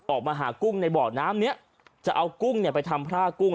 หากุ้งในบ่อน้ำเนี้ยจะเอากุ้งเนี่ยไปทำพร่ากุ้ง